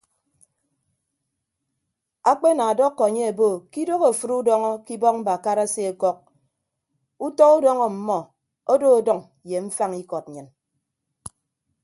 Akpe ana ọdọkọ anye obo ke idoho afịd udọñọ ke ibọk mbakara aseọkọk utọ udọñọ ọmmọ odo ọdʌñ ye mfañ ikọd nnyịn.